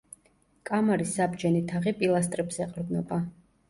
კამარის საბჯენი თაღი პილასტრებს ეყრდნობა.